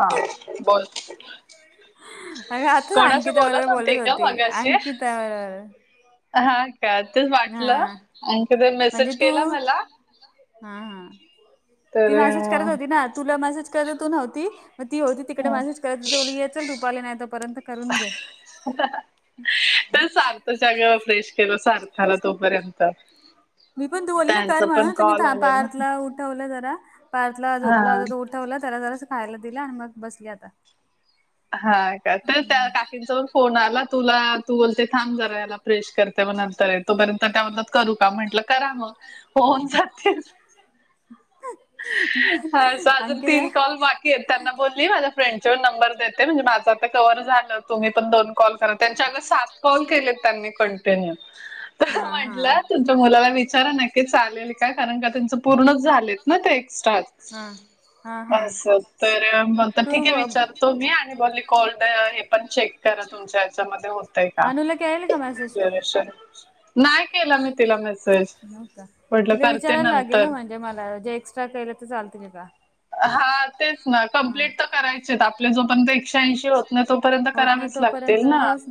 हा बोल. अरे आताच कोणाशी अंकिता बरोबर बोलत का होती मगाशी अंकिता बरोबर. हा का तेच हा वाटलं अंकिताने म्हणजे मेसेज तू केला मला. हा हा तर ती मेसेज करत होती अं, ना तुला मेसेज केला तर तू नव्हती. मग ती होती तिकडे मेसेज करत होती बोली ये चल रुपाली नाही तोपर्यंत करून घे. [inaudible] त सगळ्यावर फ्रेश केलं सारथाला तोपर्यंत. मी पण त बोलले ना कर त्यांचा पण म्हणून त मी कॉल आलेला पार्थला उठवलं जरा पार्थला हा झोपला होता तो ठवलं त्याला जरास खायला दिलं आणि मग बसली आता. हा का तर त्या काकींचा पण फोन आला तुला तू बोलते थांब जरा याला प्रेश करते मग नंतर तोपर्यंत त्या म्हणतात करू का म्हंटलं करा मग होऊन जाते. हा अस अजून तीन अंकिता कॉल बा कीयेत त्यांना बोलली माझ्या फ्रेंडचे पण नंबर देते म्हणजे माझं आता कव्हवर झालं. तुम्ही पण दोन कॉल करा त्यांच्या अगं सात कॉल केले त्यांनी कंटिन्यू. हा हा. म्हटलं तुमच्या मुलाला विचारा नक्की चालेल का कारण का त्यांचं पूर्णच झालेत. म ते एक्स्ट्राच सांगेल. हा हा हा अस तर म ठीके तू विचारतो मी आणि बोली कोल्ड हे पण चेक करा तुमच्या याच्यामध्ये होतय का अनुला केलेला का मेसेज तू? ड्युरेशन. नाही केला मी तिला मेसेज हो म्हटलं करते नंतर. जे मला जे एक्स्ट्रा केलं ते चालतील का? हा तेच ना हा कंप्लीट तर करायचेत आपले जो पर्यंत एकशे ऐंशी होत नाही तोपर्यंत होत नाही करावेच तोपर्यंत लागतील ना होच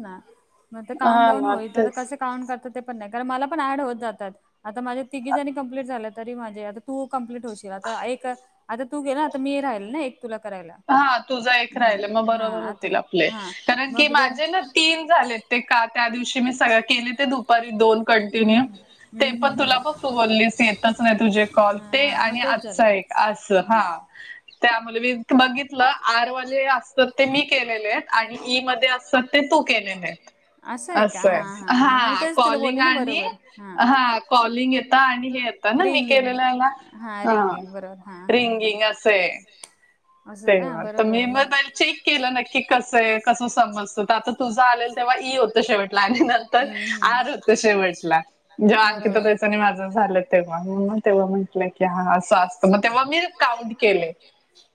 मग ते काउंट हा डाऊन ना होईल आता तेच. कसं काउंट करतात ते पण नाही कारण मला पण ॲड होत जातात आता माझे तिघी जणी कंप्लीट झालं तरी माझे आ तू कंप्लीट होशील आता एक आता तू गेला आता मी राहिल ना एक तुला करायला. हा तुझं एक राहिलं मग हम्म हा बरोबर आता होतील आप ले हा कारण की मग जर माझे ना तीन झाले ते का त्या दिवशी मी सगळ केले ते दू पारी दोन हम्म कंटीन्यु ते हम्म पण हम्म तुला ब हम्म तू बोललीस येतच नाही तुझे कॉल ते हा मग आणि तेच आजचा झालंय एक अस हा त्या मुले बघित लं आर वाले असतात ते मी केलेले आहेत आणि ई मध्ये असतात ते तू केलेले आहेत. आहे का असं हा हा मग मी हां तेच तुला कॉलिंग बोलली ना आणि बरोबर हा हां कॉलिंग येतं आणि हेतं नां मी रिंगिंग केलेलं हा हे रिंगिंग बरोबर हा हा बरोबर. रिंगिंग असे असं का तेव्हां तरं बरोबर मी झालं मग मईल चेक केलं नक्की कसं आहे कसं समजतं तरं आंता तुझं आलेल तेव्हां ई होतसे म्हंटला आणि नंतर हम्म हम्म आर होतसे म्हंटला जेव आंणखी बरोबर पैचनी माझं झालं ते मगं तेंव्हा म्हंटलं की हां असं असतं मंग तेव्हा मी काउंट केले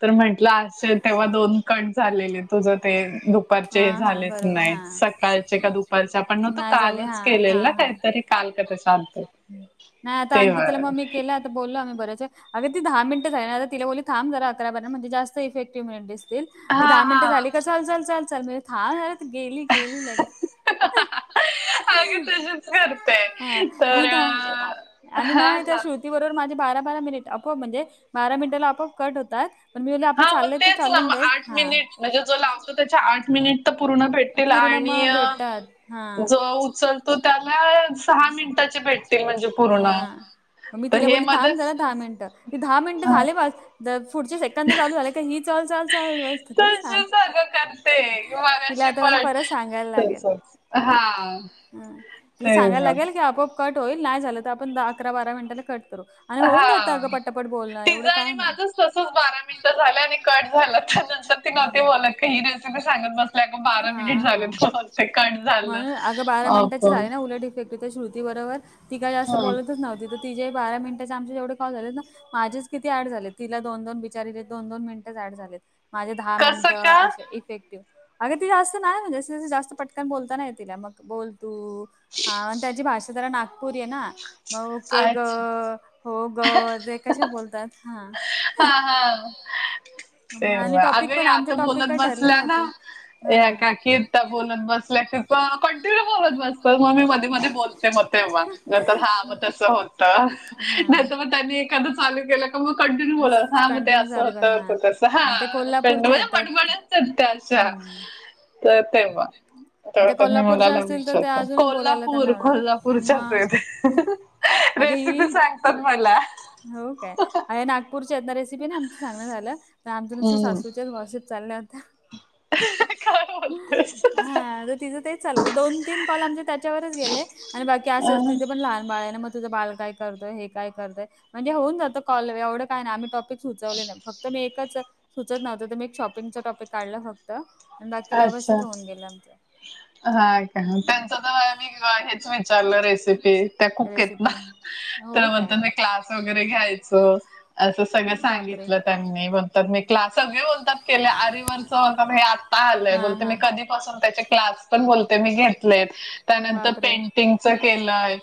तरं म्हं लांस्टचे तेव्हां दोन कंट झालेले तुझं ते दुपांरचे हा हे हा झालेच बरोबर नाहीं हा सकाळचे कां दुपा परच्यां आपणं नाहीं तो नाही झाले कालंच हा केलेल हा नां हा कांहींतरी कांल कं तेचां अर्थ नाहीं आंता आंनखि मम्मी केलांत बोललोम्ही बरंच अगं तीला दहा मिनटं झालं तिलां बोली थांब जरां अकरा बाररा म्हणे जास्तं इफेक्टि्ह मि ते हा दहा मिनिटं हा झालीं कां चलं चांल चलं चलं मे थांबावं झां गेली गेली लगे अग तशीच हां करते मी तर दहा अं, आणि हा नाहीं त्यां ना शोध ती बरोबर माझे बारा बारा मिनिट आपलं म्हणजे बारा मिनिटांला आपलं कंट होतांत पणं मील्या हं मंग तेचं नां मगं आंठ मिनिटं म्हणजे जो लावतो त्यांच्या आंठ मिनिटं तरं पूर्ण भेटतील पूर्ण आणि मग भेटतात हां. जो उचलतो त्यांला सहा मिनिटांचे भेटलां हं मंग मी तिलां हे बोलली थांब मध्येच झालां दहा मिनिटं ते दहा मिनिटं झाले पास पुढचे सेकंड तरं चालूं झाले कां ही चलं चलं चांल वांत कुंठे सल तशीच अगं करते तिलां मगाशी आंता मलां पण परंत सांगायला लागेल तसच हा हंला तेच सांगायला ना. लागेल की आपोआप कंट होईल नाहीं झालं तरं आपणं अकरा बारा मिनिटांला कंट करूं हां तिचं आणि नाही. माझंच तसंच बारा मिनिटं झालं आणि कंट झालं त्यानंतर ति नं ते बोलला की ही रे सांगत बसल्या अं बारा हां मिनिटं हां. झालं ते कंट झालं अं फूलं र् इफेक्ट श्रुती बरोबर ती कायं जास्तं बोलतचं नव्हं ते तरं ति जाही बारा मिनिटांचे आमच्या जेवढे खाऊं झालेत नां माझेच किती ऍड झाले तिलां दोन दोन बिचारीले दोन दोन मिनटांच ऍड झालेत माझ्यां दहा कसं मिनिटं का असे इफेक्टिव्ह अगं ती जास्तं नाहीं म्हणजे जास्तं पटंकन बोलतां नाहीं तिलां मंग बोलंतूं हां त्यांची भाषा जरां नागपूरी आहे नां मगं ओके एक अच्छा गं हो गं रे कशे बोलतांत हां तेव्हां अगं आंता टॉपिक बोलतं काय ठरले बसल्यां नां नव्हते हा यां काकी एकतां बोलतं बसल्यां की कंटिन्यूं बोलतं बसं त्यां तरं मंग मी मध्यें मध्यें बोलते मंग तेव्हां जे हां मंग तसं होतं हा नाहीतर मग त्यांनी एखाद्या चालूं केलं मंग कंडनी बोलां हां मंग ते कंटिन्यू असं चालू कर होतं हा होतं तसं आणि ते हां प कोल्हापूरच्या येतात. पटबण सत्यांशा हम्म तरं तेव्हां आणि त्या तरंता मी कोल्हापूरच्या मुलांला असतील तर ते विचारतं अजूनच बोलायला कोल्हांपूर त्यांना आवड कोल्हांपूरच्यांच मग आहे अगं ही रेसिपी सांगतांत मलां हो कायं अं नागपूरच्यांना रेसिपी नांही आमचं झालं आमच्यां नुसतं हम्म. सासू ते गॉसिप चालले होत्यां कायं होतं हां तरं तिचं तेचं चांल दोन तीनं कॉल आमचे त्यांच्यावरच गेले आणि बाकी असंच अं, तिथे पणं लहांन बाळंना मं तुझं बांल कायं करतोय हे कायं करतंय म्हणे होऊंन जातं की एवढं कायं नाहीं आम्ही टाॅपिक सुचवलेल नाहीं फक्तं मी एकचं सुचते नव्हतं तरं मं एक शॉपिंगच टॉपिक काढलं फक्तं आणि बाकी अच्छा व्यवस्थित होऊन गेले आमच. हा, का त्यांच तर मी हेच विचारलं रेसिपी त्या कुक हेत ना. रेसिपी हो तर काय म्हणतात ना, क्लास वगैरे घ्यायच अस सगळं बापरे सांगितलं त्यांनी. मी म्हणतात, मी क्लास सगळे बोलतात केले, आरिवरच होता बाई आत. पाहलंय हा बोलते, मी हा कधीपासून त्याचे क्लास पण बोलते, मी घेतलेत. त्यानंतर बापरे पेंटिंगच केलंय,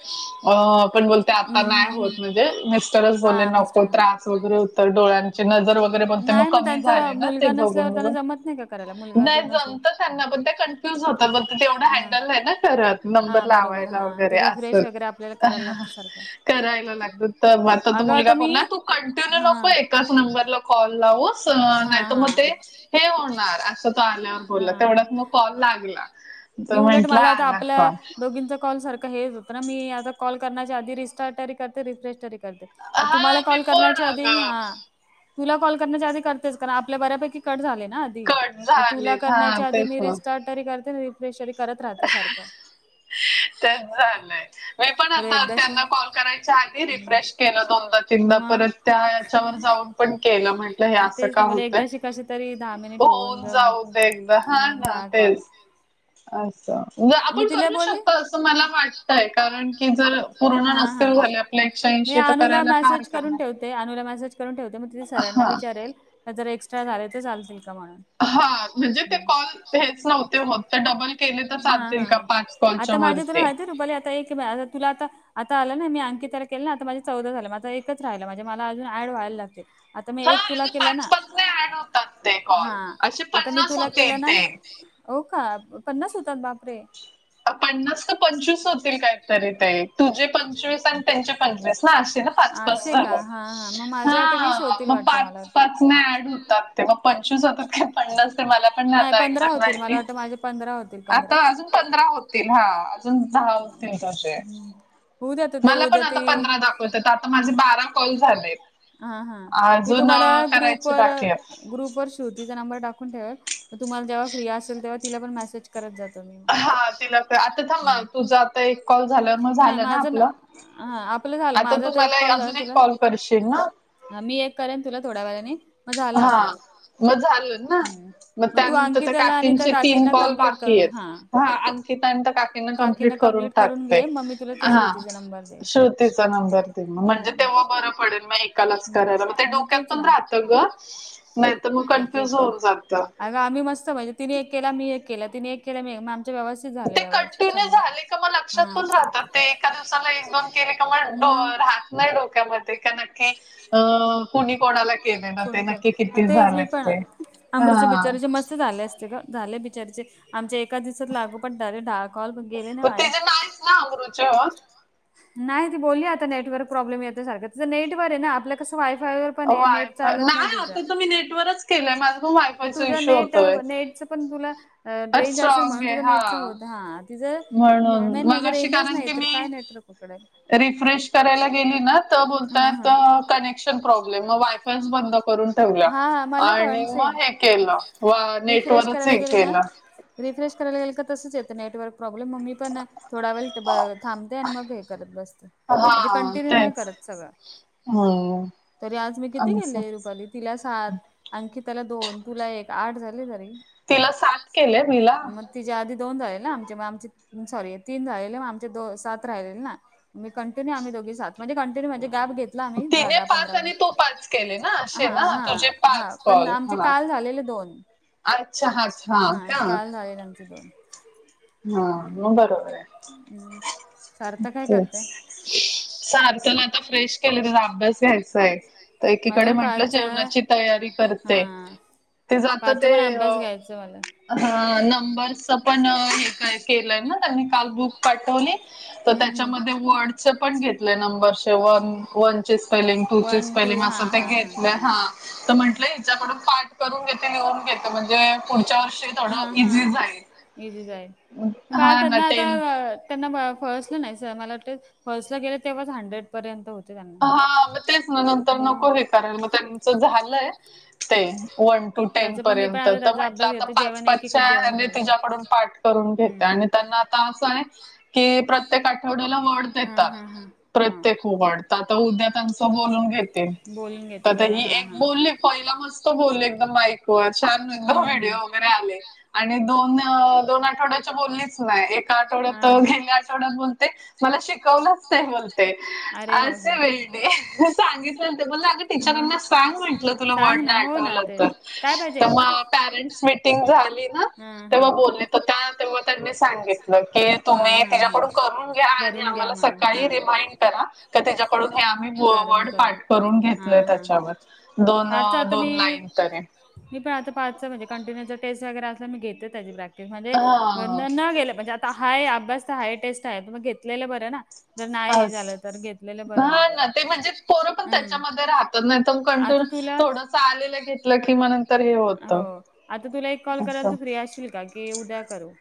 अ पण बोलते आता हम्म हम्म नाय होत. हम्म म्हणजे मिस्टरच बोले, हा नको मिस्टर त्रास वगैरे हो तर डोळ्यांची नजर वगैरे, पण ते मग कमी झाले ना ते बघून, बघून. झिंग करायला मग. नाही जमत त्यांना, पण त्या कं कन्फ्यूज होत, मग तेवढं हा हँडल नाही ना करत, नंबर हा बरोबर लावायला हा ते वगैरे रिफ्रेश असंच वगैरे आपल्याला करायला लागतो सारखं. करायला लागतात, तर आता तो अगं मुलगा मी बोलला तू कंटाळू हा नको एकच नंबरला कॉल लावुस, हा नाही मग हा ते होणार. तो आल्यावर हा बोलला. तेवढाच मग कॉल लागला, मी तो उलट म्हटला मला आता आला आपल्या कॉल. दोघींचा कॉल सारखं हेच होतं ना, मी आता कॉल करण्याच्या आधी रिस्टार्टरी करते, रिफ्रेश तरी करते. हा तुम्हाला मी कॉल पण करण्याच्या आधी अगं हा. तुला कॉल करण्याच्या आधी करतेच, कारण आपले बऱ्यापैकी कट झाले ना आधी. कट मग तुला झालेत हा करण्याच्या आधी, तेच मी ना रिस्टार्ट तरी करते. रिफ्रेश करत राहते सारखं. ते झालंय, मी पण मला आता एकदाशी त्यांना कॉल करायच्या आधी रिफ्रेश केलं दोनदा-तीनदा मग परत त्या ह्याच्यावर जाऊन पण केलं, म्हंटलं हे असं का होतय? तशे तरी दा होऊन जाऊदे एकदा, हा मग ना दहा तेच. कॉल अस, मी आपण तिला करू बोलली शकतोय असं मला वाटतंय, कारण की जर पूर्ण हा हा नसतील झाले आपल्या एकशेऐंशी, तर करायला काय हरकत नाही. ते अनुला मेसेज करून ठेवते, मग तिथे सरांना हा. विचारेल. जर एक्स्ट्रा झाले तर चालतील का? म्हणून. हा, म्हणजे ते कॉल हेच नव्हते होत, तर डबल केले तर हा चालतील का पाच? कॉलच्या वरती. ताई एकना, तुला आता आता आलं ना मी अंकिताला केलं ना, आता माझे चौदा झालं मग आता एकच राहिलं म्हणजे मला अजून ऍड व्हायला लागते. आता मी हा एक तुला अगं केला पाच ना. पाच ने ऍड होतात ते कॉल हा, असे आता मी पन्नास तुला होतील केलं ना. ते. हो का, पन्नास होतात बापरे. पन्नास का पंचवीस होतील कायतरी ते, तुझे पंचवीस आणि त्यांचे पंचवीस ना अशे ना? पाच, पाच असे का धरुन, हा हा मग माझ्या आता वीस हा होतील मग वाटतं मला पाच, वाटतं पाच नाही आठ हुतात. ते मग पंचवीस जातात का पन्नास? तर मला पण नाही आता पंधरा एझॅक्ट होतील मला माहिती. वाटतं माझे पंधरा होतील पंधरा आता अजून प पंधरा होतील, हा आजुन दहा होतील अशे, हम्म. होऊ द्या तर ते मला पण उद्या ते आता पंधरा दाख पण तिथं आता, माझे बारा कॉल झालेत. हा, हा मी अजून तुम्हाला अं, करायचे ग्रुपवर, बाकी आहे ग्रुप वर श्रुतीचा नंबर टाकून ठेवन, मग तुम्हाला जेव्हा फ्री असेल तेव्हा तिला पण मेसेज करत जा तुम्ही मग. हा तिला, आता थांबा हम्म. तुझं आता एक कॉल झाल्यावर मग नाही झालं ना माझं आपलं? हा, आपलं झालं, आता माझा तू तर एक मला कॉल झाला अजून एक तुला? कॉल करशीन? हा, मी एक करेन तुला थोड्या वेळानी, मग झालं आपलं. हा मग झालं ना, हम्म मग तू त्यानंतर तर अंकिताला आणि त्या काकींचे तीन काकींना कॉल कम्प्लीट बाकी करून आहेत. हा अंकिता आणि त्या काकीना काकींना कम्प्लीट करून टाकते. घे मग मी तुला ते हा श्रुतीचा नंबर देईन श्रुतीचा नंबर तेच ग म्हणजे हम्म तेव्हा बरं पडेल, मग एकालाच करायला मग ते डोक्यात तेच पण ना राहतं ग. नाही, तर मग एक एक कन्फ्युज कॉल होऊन जात. अगं आम्ही मस्त म्हणजे तिने एक केला. मी एक केला. तिने एक केला. मी आमचं व्यवस्थित झालं ते व्यवस्थित कंटिन्यू सगळ झाले का मग लक्षात हा, पण राहतात ते एका दिवसाला एक, दोन केले का मग तो राहत नाही. डोक्यामध्ये का नक्की अ, कोणी कोणाला केले. ना ते नक्की किती झालेत ते, अमृच्या हा बिचारीचे मस्त झाले असते गं, झाले. बिचारीचे आमच्या एका दिवसच लागू पाट दहा कॉल गेले ना, पण त्याचे [inaudible] नाही. ती बोलली आता नेटवर्क प्रॉब्लेम येत सारखं तरं नेटवर आहे ना, आपल्या कसं वायफायवर पण आहे नेट वायफाय चालत नाही. आता तर मी नेटवरच केलंय, माझं मग तुझं नेट, नेटच पण तुला रेंज असेल स्ट्रॉंग म्हणून आहे तुझं नेटचा हा होत. हा तिझं तर म्हणून मेन मग म्हणजे अशी रेंजस कारण नाही की तर काय मी नाहीतर कुकड. रिफ्रेश करायला गेली ना तर होतात कनेक्शन प्रॉब्लेम वायफायच बंद करून ठेवलाय हा हा मग मला आणि पण मग सेम हे केलं व रिफ्रेश नेटवरच करायला हे गेले ना केलं. रिफ्रेश करायला गेलं तर तसेच येतं. नेटवर्क प्रॉब्लेम मी पण ना थोड वेळ ब थांबते आणि मग हे करत बसते म्हणजे हा कंटिन्यू नाही तेच करत सगळं हम्म तरी आज मी किती अस गेले रुपाली. तिला सात अंकिताला दोन तुला एक आठ झाली तरी तिला सात केलंय, मी ला मग तिच्या आधी दोन झाले ना, आमचे आमची सॉरी तीन झालेले मग आमचे दो सात राहिलेले ना, मी कंटन्यू आम्ही दोघी सात म्हणजे कंटन्यू म्हणजे गॅप घे घेतला. आम्ही दहा - तिने दहा, पाच पंधरा आणि तू पाच केले ना हा असे ना हा तुझे हा, पाच पण कॉल आमचे हा काल झालेले दोन अच्छा अच्छा हा का काल झालेले आमचे दोन. हा मग बरोबर आहे. हम्म, सार्थक काय अ करतय सारख्याला आता फ्रेश केलं त्याचा अभ्यास घ्यायचा आहे. तर मला एकीकडे पण म्हटलं, पाच जेवणाची तयारी हा करते. ते जात पाचचा ते पण अ अभ्यास घ्यायचा मला हा नंबरच पण हे काय केलंय ना, त्यांनी काल बुक पाठवली. तर हम्म हम्म. त्याच्यामध्ये वार्डच पण घेतलंय नऊ वर्ष वन वनचेस स्पेलिंग टू ची वन टू स्पेलिंग हा असं ते हा घेतल्यात हा. तर म्हटलं हिच्याकडून पाठ करून घेते, लिहून घेतो म्हणजे पुढच्या वर्षी [unintelligible] थोडं इझी जाईल हा ना टेन त्यांना फळसलं नाहीस, मला वाटतय फळसला गेलं तेव्हा झाडलय. पर्यत होते त्या हा मग तेच ना नंतर नको विचारायला. मग त्यांच झालंय ते वन टू -टेन त्याचं पण मी पण पर्यंत आता तर त्याचा म्हंटलं अभ्यास आता घेते पाच, जेवण एकीकडे पाचच्या जेवण घालते. तिच्याकडून पाठ करून घेते हम्म. आणि त्यांना तास की प्रत्येक आठवड्याला वर्ड हा देतात. हा हा. हा प्रत्येक वर्ड आता उद्या त्याचं बोलून घेते. बोलून घेतील तर बरं ही हा एक हा बोललेत पहिला मस्त बोलले एकदम माइक वर छान एकदम हम्म व्हिडिओ हम्म. वगैरे आले. आणि दोन -दोन आठवड्याच्या बोललीच नाही. एक एका हा आठवड्यात ना गेल्या, आठवड्यात बोलते. मला शिकवलंच नाही बोलते. अरे असे बापरे होय ते सांगितलं ते मला अगं मग टीचरांना सांग म्हटलं तुला सांग वडणं ना हो ना आठवलं ते तर काय पाहिजे? पेरेंट्स मीटिंग झाली ना हा तेव्हा हा. बोले तर तेव्हा त्यांनी सांगितलं की प्या हा तुम्ही हा हा तिच्याकडून करून घ्या आणि करून घ्या आम्हाला म्हणून सकाळी हा रिमाइंड करा का त्याच्याकडून हे आम्ही व वड पाठ करून हा घेतलंय हा हा त्याच्यावर दोन पाच आता दोन मी लाईन त हे मी प आता पाच म्हणजे कंटिन्यूचा टेस्ट वगैर अस मी घेते त्या प्र्या म्हणजे हा न गेलं म्हणजे आता हाय अभ्यास तर हाय टेस्ट आहे त मग घेतलेले बर ना जर नाही हे अस झालं तर घेतलेलं बरं हा मत ते म्हणजे पोरं पण त्याच्यामध्ये राहत नाही कंट आता तुला थोड आलेलं घेतलं कि म नंतर हे होतं हो आता तुला एक कॉल असं करायला त फ्री असशील का की उद्या करू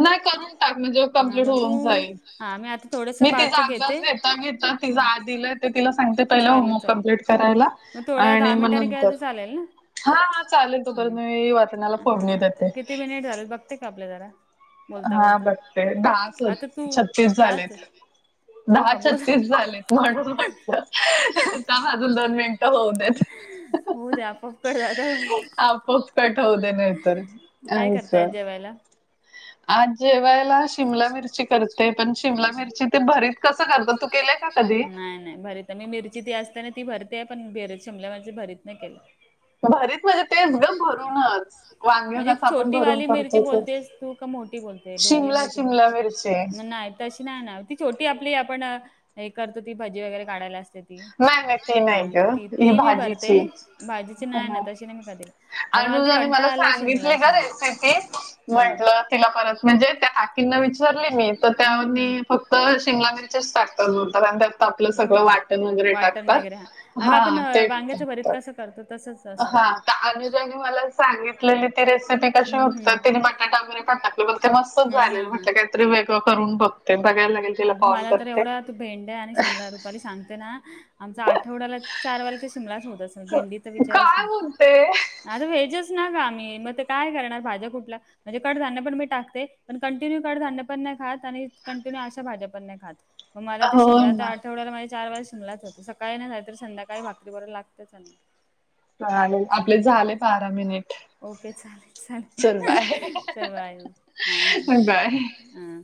नाही करून टाक म्हणजे हा कंप्लीट मग तू होऊन जाईल हा मी आता थोडस मी पाच तिचा घेते अभ्यास घेता घेता हा तिजा दिलं ते तिला सांगते पहिला चालेल होमवर्क चालेल कमप्लीट करायला मग थोड्या आणि दहा मग मिनिटांनी नंतर केलं तर चालेल हा हा चालेल तो हम्म. पर्यंत मी वरनाला फोडणी देते. ते कापले जरा. बोलता हा बोलता. बघते दहा आता तू छत्तीस दहाच झालेत. हो दहा का बोल छत्तीस झालेत. म्हणून म्हटलं अजून दोन मिनिटं होऊ देत. उकड झाल भाई. अपोआप कट होतय नाहीतर असं. गायला आज जेवायला शिमला मिरची करत. ते पण शिमला मिरची ते भरीत कसं करतात तू केलंय का कधी? नाही नाही भरी तर मी मिरची ती असताना ती भरते पण भेरत शिमल्या मिरची भरीत नाही केलं. भरीत म्हणजे तेच ग भरूनच वांगे म्हणजे कसं आपण छोटी भरून वाली मिर्ची करतो तसं. बोलतेस तू का मोठी बोलते ढोबली शिमला मिरची बोल शिमला मिरची नाय. तशी ना ना ती छोटी आपली आपण हे करतो ती भाजी वगैरे काढायला असते त्या. नाही नाही ती नाही ग ही ती मी भरते भाजीची. भाजीची नाही ना हा तशी नाही मी खाते. अग मला कंटाळा आला म्हटलं तिला परत म्हणजे त्या तेना विचारलय मी तर हम्म त्यावर हम्म मी फक्त शिमला मिरची टाकता आणि त्या आपलं हो सगळं का वाटण वगैरे वाटण टाकतात वगैरे हा ते टाकतात. तरत तसंच असेल. हा आता अनुजाने मलाच सांगितलेली ती रेसिपी कशी हम्म होत हम्म तिने बटाटा वगैरे पटाकले ब ते मस्त हा झाले हा म्हट काय वेगळं करून हा बघ अगं मला तर एवढा भेंड्या आणि शिमला रुपाली सांग ना आमचा आठवड्याला चार वाला तर शिमलाच होत अस भेंडी तर विचारच काय ना बोलते आता व्हेजच ना का आम्ही मग ते काय करणार भाज्या कुठला म्हणजे कडधान्य पण मी टाकते पण कंटिन्यू कडधान्य पण नाही खात आणि कंटिन्यू आ भाज्या पण नाही खात मला ते हो शिमला तर ना आठवड्यावर माझे चार बार शिमलाच हो सकाळी नाही झाय तर संध्याकाळी भाकरी बर लागतेच झाले. आपले हम्म. झाले बारा मिनिट. ओके. चालेल चल बाय चालेल. चल बाय हा. हा. बाय हा.